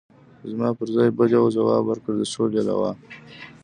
زما پر ځای بل یوه ځواب ورکړ: د سولې لوا.